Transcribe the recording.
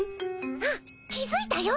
あっ気づいたよ。